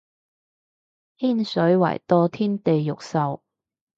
天水圍墮天地獄獸